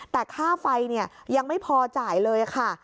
แต่ค่าไฟยังไม่พอจ่ายเลยค่ะ